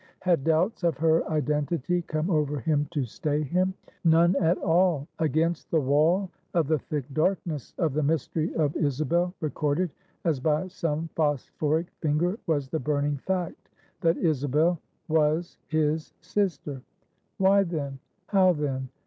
Had doubts of her identity come over him to stay him? None at all. Against the wall of the thick darkness of the mystery of Isabel, recorded as by some phosphoric finger was the burning fact, that Isabel was his sister. Why then? How then?